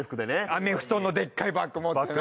アメフトのでっかいバッグ持ってな。